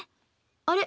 あれ？